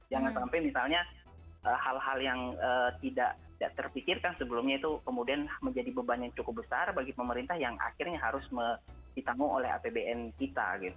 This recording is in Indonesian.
jangan sampai misalnya hal hal yang tidak terpikirkan sebelumnya itu kemudian menjadi beban yang cukup besar bagi pemerintah yang akhirnya harus ditanggung oleh apbn kita